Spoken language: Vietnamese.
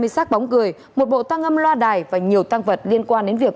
hai mươi xác bóng cười một bộ tăng âm loa đài và nhiều tăng vật liên quan đến việc